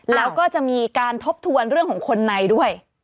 แล้วก็จะมีการทบทวนเรื่องของคนในด้วย